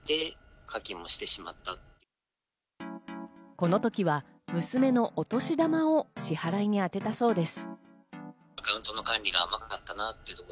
この時は娘のお年玉を支払いにあてたそうです。